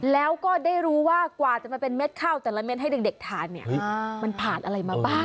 แล้วก็ได้รู้ว่ากว่าจะมาเป็นเม็ดข้าวแต่ละเม็ดให้เด็กทานเนี่ยมันผ่านอะไรมาบ้าง